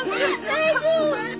大丈夫？